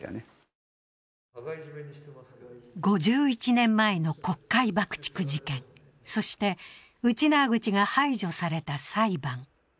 ５１年前の国会爆竹事件、そして、ウチナーグチが排除された裁判。